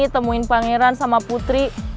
temuin pangeran sama putri